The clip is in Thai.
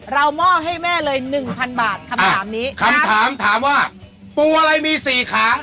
หม้อให้แม่เลยหนึ่งพันบาทคำถามนี้คำถามถามว่าปูอะไรมีสี่ขาง